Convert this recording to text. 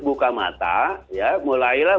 buka mata mulailah